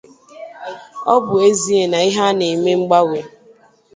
Ọ bụ ezie na ihe na-eme mgbanwe